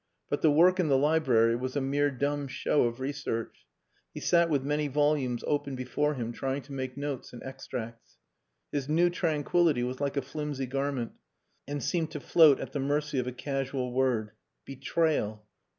But the work in the library was a mere dumb show of research. He sat with many volumes open before him trying to make notes and extracts. His new tranquillity was like a flimsy garment, and seemed to float at the mercy of a casual word. Betrayal!